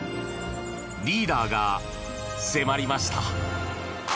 リーダーが迫りました。